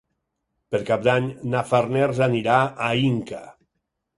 Per Cap d'Any na Farners anirà a Inca.